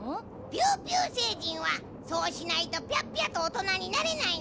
ピューピューせいじんはそうしないとピャッピャとおとなになれないのよ。